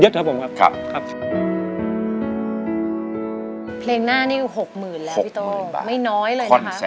เหนะหน้าหนึ่งภูมิใบบอกไม่น้อยก็น้อยฮะ